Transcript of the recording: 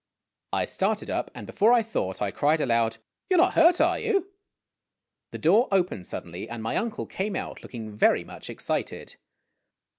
I started up, and, before I thought, I cried aloud, " You 're not hurt, are you ?" The door opened suddenly, and my uncle came out, looking very much excited.